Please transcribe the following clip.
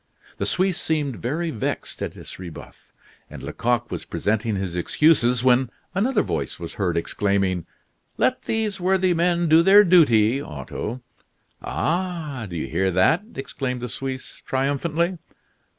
The Suisse seemed very vexed at this rebuff; and Lecoq was presenting his excuses, when another voice was heard exclaiming. "Let these worthy men do their duty, Otto." "Ah! do you hear that!" exclaimed the Suisse triumphantly.